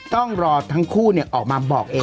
ต้องรอทั้งคู่เนี้ยออกมาบอกเองนะครับ